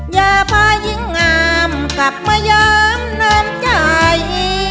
อย่าพายิ่งงามกลับมายอมน้ำใจ